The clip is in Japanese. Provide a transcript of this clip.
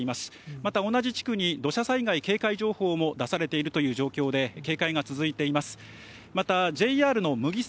また同じ地区に土砂災害警戒情報も出されているという状況で、警戒が続いています。